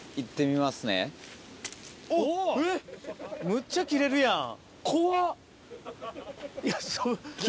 むっちゃ切れるやん。